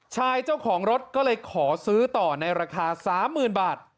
เจ้าของรถก็เลยขอซื้อต่อในราคา๓๐๐๐บาท